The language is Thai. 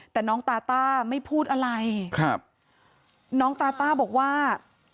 แต่น้องตาต้าไม่พูดอะไรครับน้องตาต้าบอกว่า